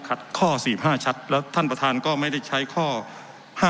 ขัดข้อสี่ห้าชัดแล้วท่านประทานก็ไม่ได้ใช้ข้อห้า